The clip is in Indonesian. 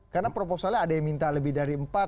karena proposalnya ada yang minta lebih dari empat